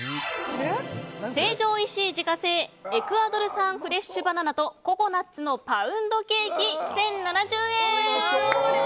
成城石井自家製エクアドル産フレッシュバナナとココナッツのパウンドケーキ１０７０円。